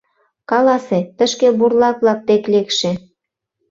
Каласе, тышке бурлак-влак дек лекше.